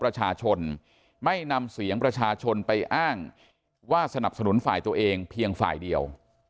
ประชาชนไม่นำเสียงประชาชนไปอ้างว่าสนับสนุนฝ่ายตัวเองเพียงฝ่ายเดียว